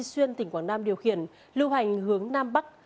xuyên tỉnh quảng nam điều khiển lưu hành hướng nam bắc